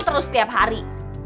terus tiap hari